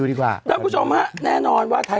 แล้วคุณผู้ชมฮะแน่นอนว่า